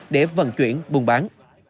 để vận chuyển buôn bán